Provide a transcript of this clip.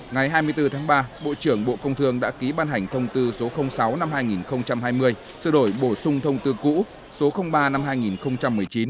ngày hai mươi bốn tháng ba bộ trưởng bộ công thương đã ký ban hành thông tư số sáu năm hai nghìn hai mươi sửa đổi bổ sung thông tư cũ số ba năm hai nghìn một mươi chín